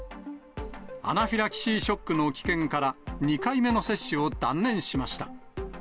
アナフィラキシーショックの危険から、２回目の接種を断念しました。